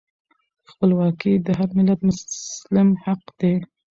خپلواکي د هر ملت مسلم حق دی.